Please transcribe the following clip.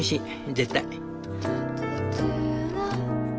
絶対」。